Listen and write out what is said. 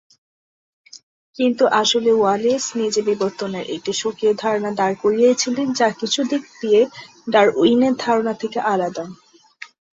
কিন্তু আসলে ওয়ালেস নিজে বিবর্তনের একটি স্বকীয় ধারণা দাঁড় করিয়েছিলেন যা কিছু দিক দিয়ে ডারউইনের ধারণার থেকে আলাদা।